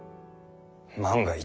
万が一。